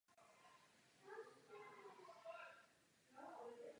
Solidarita je řešení.